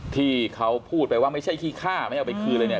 ที่เขาพูดไปว่าไม่ใช่ขี้ฆ่าไม่เอาไปคืนเลยเนี่ย